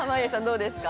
どうですか？